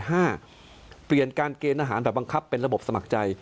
เปลี่ยนการเกณฑ์อาหารแบบบังคับเป็นระบบสมัครใจ